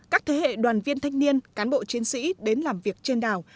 các thế hệ đoàn viên thanh niên cán bộ chiến sĩ đến làm việc trên đảo